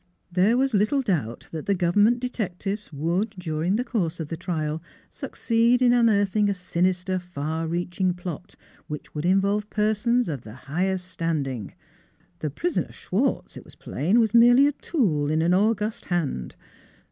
There was little doubt that the Government de tectives would, during the course of the trial, succeed in unearthing a sinister, far reaching plot, which would involve persons of the highest stand ing. The prisoner Schwartz, it was plain, was merely a tool in an august hand.